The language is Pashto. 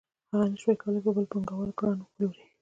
هغه نشوای کولی په بل پانګوال ګران وپلوري